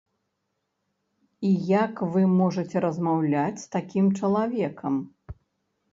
І як вы можаце размаўляць з такім чалавекам?